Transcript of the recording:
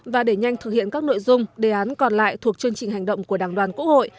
và để nhanh thực hiện các nội dung đề án còn lại thuộc chương trình hành động của đảng đoàn quốc hội